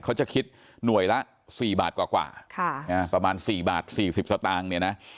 เขาจะคิดหน่วยละ๔บาทกว่าประมาณ๔บาท๔๐สตางค์เนี่ยนะ